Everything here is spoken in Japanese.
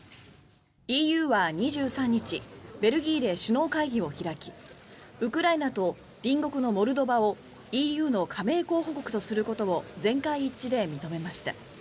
ＥＵは２３日ベルギーで首脳会議を開きウクライナと隣国のモルドバをＥＵの加盟候補国とすることを全会一致で認めました。